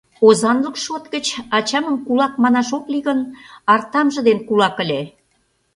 — Озанлык шот гыч ачамым кулак манаш ок лий гын, артамже дене кулак ыле.